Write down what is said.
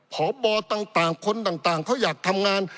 พบต่างคนต่างเขาอยากทำงาน